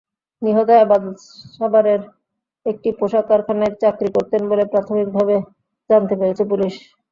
নিহত এবাদত সাভারের একটি পোশাক কারখানায় চাকরি করতেন বলে প্রাথমিকভাবে জানতে পেরেছে পুলিশ।